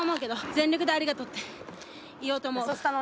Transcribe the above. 全力でありがとうって言おうと思う。